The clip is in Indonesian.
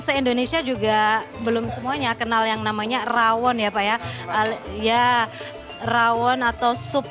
se indonesia juga belum semuanya kenal yang namanya rawon ya pak ya ali ya rawon atau sup